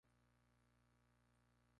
Ryota Inoue